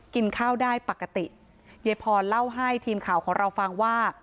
กินข้าวได้ปกติยายพรเล่าให้ทีมข่าวของเราฟังว่า